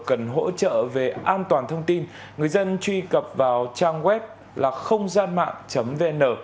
cần hỗ trợ về an toàn thông tin người dân truy cập vào trang web là khônggianmạng vn